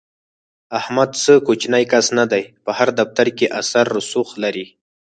احمد څه کوچنی کس نه دی، په هر دفتر کې اثر رسوخ لري.